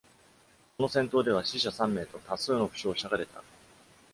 その戦闘では死者三名と多数の負傷者が出た。